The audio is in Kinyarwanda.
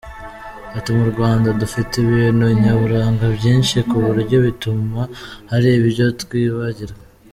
Ati “Mu Rwanda dufite ibintu nyaburanga byinshi ku buryo bituma hari ibyo twibagirwa.